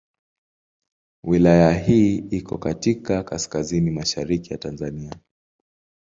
Wilaya hii iko katika kaskazini mashariki ya Tanzania.